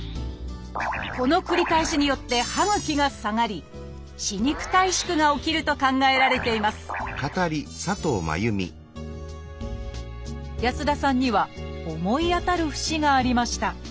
この繰り返しによって歯ぐきが下がり歯肉退縮が起きると考えられています安田さんには思い当たる節がありました。